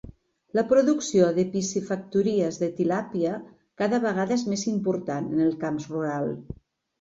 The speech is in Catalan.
La producció de piscifactories de tilàpia cada vegada és més important en els camps rurals.